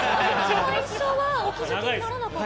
最初はお気付きにならなかっ